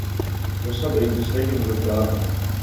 تو سب ایک دوسرے کے مددگار ہوں۔